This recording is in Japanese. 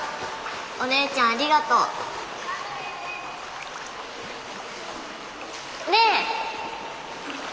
お姉ちゃんありがとう。ねえ！